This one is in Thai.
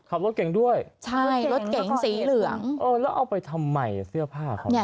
ขับรถเก่งด้วยใช่รถเก๋งสีเหลืองเออแล้วเอาไปทำไมเสื้อผ้าเขาเนี่ย